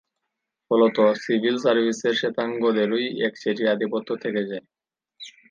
ফলত সিভিল সার্ভিসে শ্বেতাঙ্গদেরই একচেটিয়া আধিপত্য থেকে যায়।